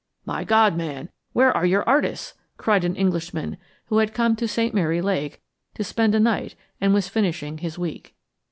"My God, man, where are your artists?" cried an Englishman who had come to St. Mary Lake to spend a night and was finishing his week.